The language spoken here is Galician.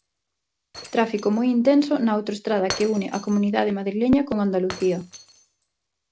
Tráfico moi intenso na autoestrada que une a comunidade madrileña con Andalucía.